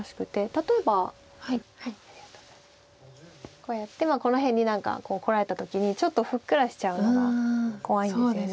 こうやってこの辺に何かこられた時にちょっとふっくらしちゃうのが怖いんですよね。